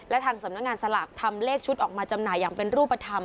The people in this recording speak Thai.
และทางสำนักงานสลากทำเลขชุดออกมาจำหน่ายอย่างเป็นรูปธรรม